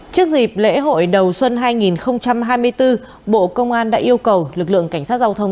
trước dịp lễ hội đầu xuân hai nghìn hai mươi bốn bộ công an đã yêu cầu lực lượng cảnh sát giao thông